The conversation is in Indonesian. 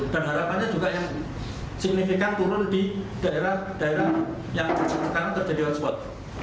dan harapannya juga yang signifikan turun di daerah daerah yang terjadi hotspot